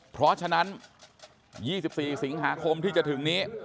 เพราะฉะนั้น๒๔สิงหาคมที่จะถึงนี้